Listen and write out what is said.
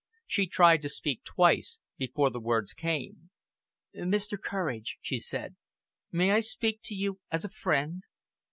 She tried to speak twice before the words came. "Mr. Courage," she said, "may I speak to you as a friend?"